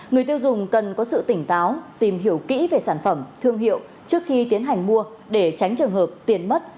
người tiêu dùng cần có sự tỉnh táo tìm hiểu kỹ về sản phẩm thương hiệu trước khi tiến hành mua để tránh trường hợp tiền mất